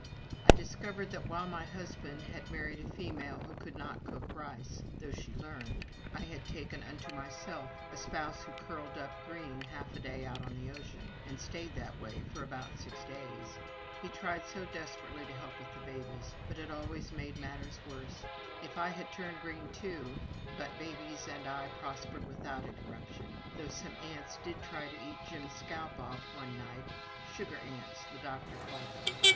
I discovered that, while my husband had married a female who could not cook rice (though she learned), I had taken unto myself a spouse who curled up green half a day out on the ocean, and stayed that way for about six days. He tried so desperately to help with the babies, but it always made matters worse. If I had turned green, too But babies and I prospered without interruption, though some ants did try to eat Jim's scalp off one night "sugar ants" the doctor called them.